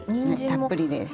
たっぷりです。